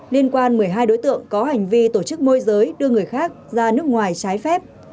liên quan một mươi hai đối tượng có hành vi tổ chức môi giới đưa người khác ra nước ngoài trái phép